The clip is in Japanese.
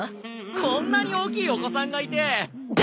こんなに大きいお子さんがいて。